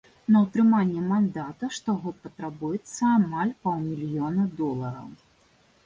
На ўтрыманне мандата штогод патрабуецца амаль паўмільёна долараў.